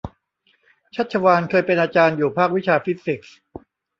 ชัชวาลเคยเป็นอาจารย์อยู่ภาควิชาฟิสิกส์